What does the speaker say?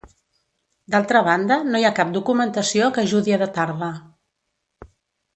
D'altra banda no hi ha cap documentació que ajudi a datar-la.